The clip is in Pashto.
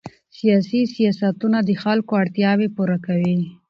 سیاسي سیاستونه د خلکو اړتیاوې پوره کوي